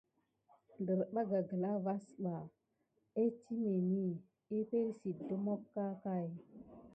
Derbaga gla vas ɓa aks itémeni epəŋle si de mok akakay.